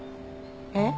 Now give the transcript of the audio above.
えっ？